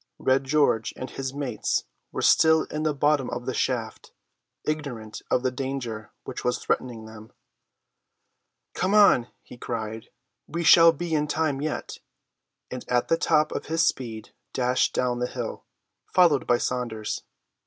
Red George and his mates were still in the bottom of the shaft, ignorant of the danger which was threatening them. "Come on," he cried; "we shall be in time yet," and at the top of his speed dashed down the hill, followed by Saunders.